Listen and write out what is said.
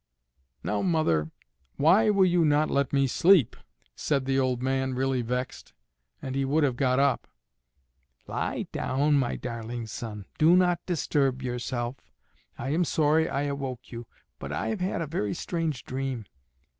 "Now mother, why will you not let me sleep?" said the old man, really vexed; and he would have got up. "Lie down, my darling son, do not disturb yourself. I am sorry I awoke you, but I have had a very strange dream.